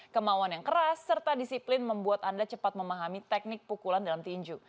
kemauan yang keras serta disiplin membuat anda cepat memahami teknik pukulan dalam tinju